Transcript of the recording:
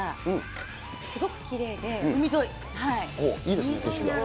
いいですね、景色が。